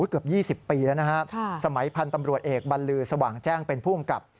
เกือบ๒๐ปีแล้วนะฮะสมัยพันธ์ตำรวจเอกบรรลือสว่างแจ้งเป็นผู้กำกับ